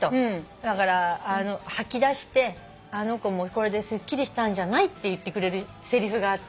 だから吐き出してあの子もこれですっきりしたんじゃない？って言ってくれるせりふがあって。